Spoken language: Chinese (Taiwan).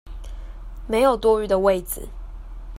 沒有多餘的位子